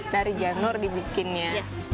dari janur dibikinnya